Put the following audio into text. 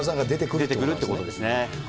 出てくるっていうことですね。